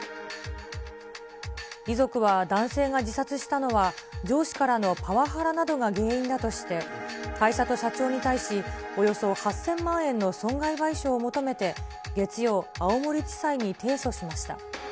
遺族は男性が自殺したのは、上司からのパワハラなどが原因だとして、会社と社長に対し、およそ８０００万円の損害賠償を求めて、月曜、青森地裁に提訴しました。